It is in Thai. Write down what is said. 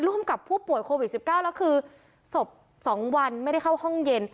ร่วมกับผู้ป่วยโควิด๑๙แล้วคือศพ๒วันไม่ได้เข้าห้องเย็น